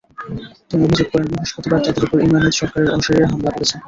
তিনি অভিযোগ করেন, বৃহস্পতিবার তাঁদের ওপর ইমরান এইচ সরকারের অনুসারীরা হামলা করেছেন।